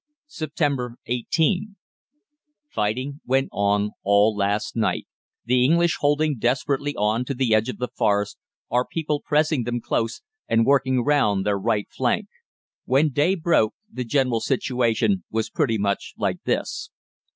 "Sept. 18. Fighting went on all last night, the English holding desperately on to the edge of the Forest, our people pressing them close, and working round their right flank. When day broke the general situation was pretty much like this.